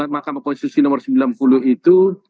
mahkamah konstitusi nomor sembilan puluh itu